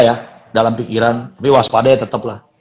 ya dalam pikiran tapi waspada tetap lah